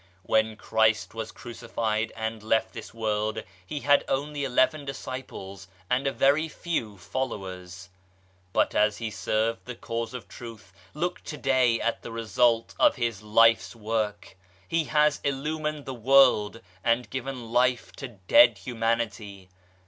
When Christ was crucified and left this world, He had only eleven disciples and a very few followers ; but as He served the Cause of Truth look to day at the result of His Life's work 1 He has illumined the world, and given life to dead humanity.